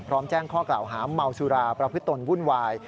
แจ้งข้อกล่าวหาเมาสุราประพฤตนวุ่นวาย